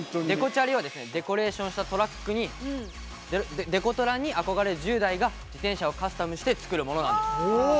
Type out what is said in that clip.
デコチャリはデコレーションしたデコトラに憧れる１０代が自転車をカスタムして作るものなんです。